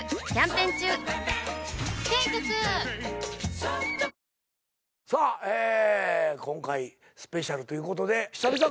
ペイトク今回スペシャルということで久々か。